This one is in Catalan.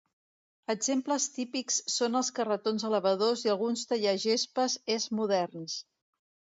Exemples típics són els carretons elevadors i alguns tallagespes és moderns.